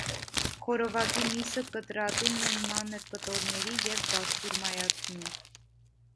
Խորովածի միսը կտրատում են մանր կտորների և բաստուրմայացնում։